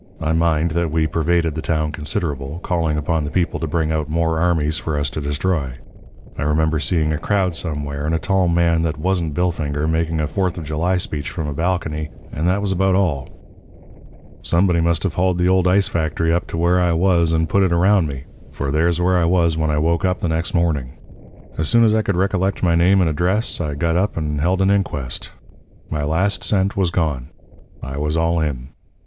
I mind that we pervaded the town considerable, calling upon the people to bring out more armies for us to destroy. I remember seeing a crowd somewhere, and a tall man that wasn't Billfinger making a Fourth of July speech from a balcony. And that was about all. "Somebody must have hauled the old ice factory up to where I was, and put it around me, for there's where I was when I woke up the next morning. As soon as I could recollect by name and address I got up and held an inquest. My last cent was gone. I was all in.